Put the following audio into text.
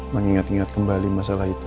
mengingat ingat kembali masalah itu